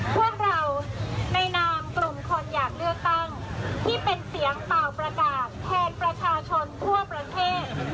พวกเราในนามกลุ่มคนอยากเลือกตั้งที่เป็นเสียงเป่าประกาศแทนประชาชนทั่วประเทศ